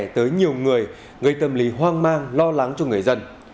tới nhiều người gây tâm lý hoang mang lo lắng cho người dân